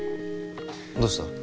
どうした？